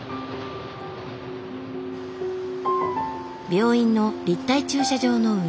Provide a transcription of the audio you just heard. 病院の立体駐車場の上。